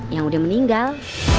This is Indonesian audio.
yang udah meninggal